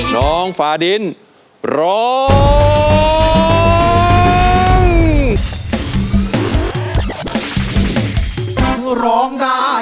น้องฝ่าดินร้อง